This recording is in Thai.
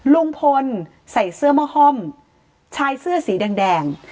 ลุงพลใส่เสื้อมะห้อมชายเสื้อสีแดง